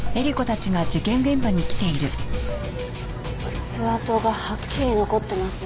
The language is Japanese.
靴跡がはっきり残ってますね。